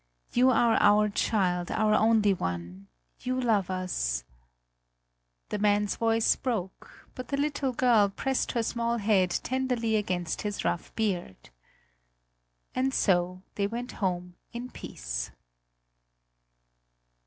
You are our child, our only one. You love us " The man's voice broke; but the little girl pressed her small head tenderly against his rough beard. And so they went home in peace.